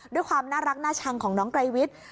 ด้วยความน่ารักน่าชังของน้องไกรวิทย์